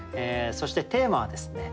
そしてテーマはですね